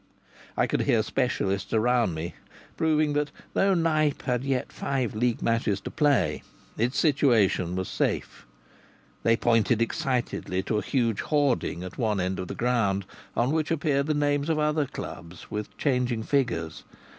I could hear specialists around me proving that though Knype had yet five League matches to play, its situation was safe. They pointed excitedly to a huge hoarding at one end of the ground on which appeared names of other clubs with changing figures.